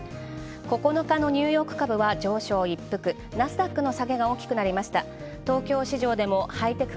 ９日のニューヨーク株は上昇一服ナスダックの下げが大きくなりました。